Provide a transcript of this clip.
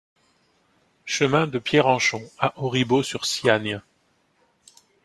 Chemin de Pierrenchon à Auribeau-sur-Siagne